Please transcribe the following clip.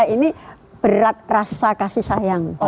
ini berat rasa kasih sayang